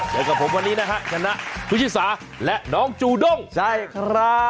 กับผมวันนี้นะฮะชนะผู้ชิสาและน้องจูด้งใช่ครับ